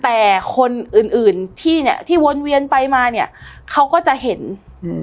แต่คนอื่นอื่นที่เนี้ยที่วนเวียนไปมาเนี้ยเขาก็จะเห็นอืม